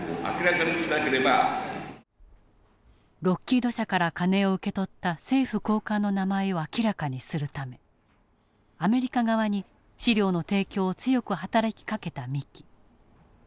ロッキード社から金を受け取った政府高官の名前を明らかにするためアメリカ側に資料の提供を強く働きかけた三木。